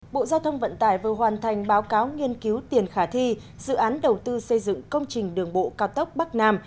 bộ giao thông vận tải vừa hoàn thành báo cáo nghiên cứu tiền khả thi dự án đầu tư xây dựng công trình đường bộ cao tốc bắc nam